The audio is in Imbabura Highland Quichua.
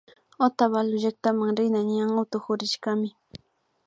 Otavalo llaktama rina ñan utukurishkami